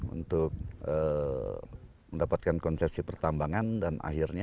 untuk mendapatkan konsesi pertambangan dan akhirnya